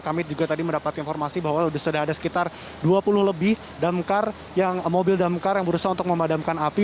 kami juga tadi mendapatkan informasi bahwa sudah ada sekitar dua puluh lebih mobil damkar yang berusaha untuk memadamkan api